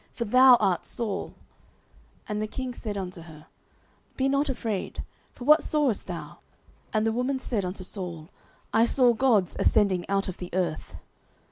for thou art Saul. 09:028:013 And the king said unto her, Be not afraid: for what sawest thou? And the woman said unto Saul, I saw gods ascending out of the earth.